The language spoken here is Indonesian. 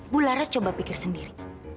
bularas coba pikir sendiri